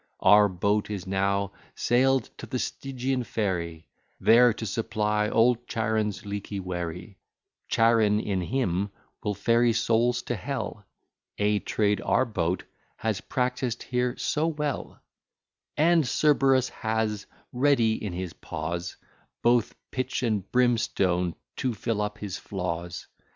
Our Boat is now sail'd to the Stygian ferry, There to supply old Charon's leaky wherry; Charon in him will ferry souls to Hell; A trade our Boat has practised here so well: And Cerberus has ready in his paws Both pitch and brimstone, to fill up his flaws.